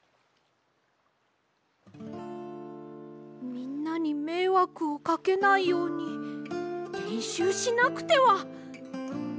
みんなにめいわくをかけないようにれんしゅうしなくては！